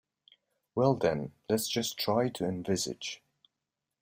Well, then, let's just try to envisage.